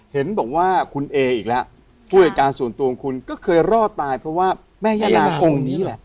เห็นบอกว่าคุณเออีกแล้วผู้จัดการส่วนตัวของคุณก็เคยรอดตายเพราะว่าแม่ย่านางองค์นี้แหละ